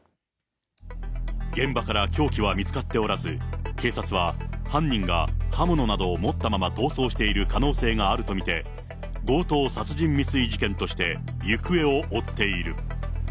現場から凶器は見つかっておらず、警察は犯人が、刃物などを持ったまま逃走している可能性があると見て、強盗殺人未遂事件として行方を追っている。